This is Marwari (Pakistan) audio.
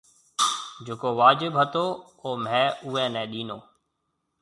جڪو واجب هتو او ميه اُوئي نَي ڏينو۔